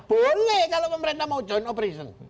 boleh kalau pemerintah mau joint operation